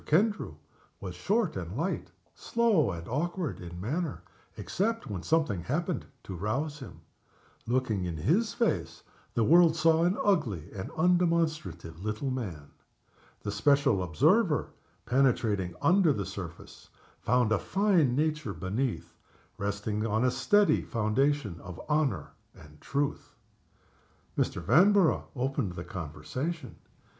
Kendrew was short and light slow and awkward in manner, except when something happened to rouse him. Looking in his face, the world saw an ugly and undemonstrative little man. The special observer, penetrating under the surface, found a fine nature beneath, resting on a steady foundation of honor and truth. Mr. Vanborough opened the conversation.